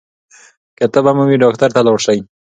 که تبه مو وي ډاکټر ته لاړ شئ.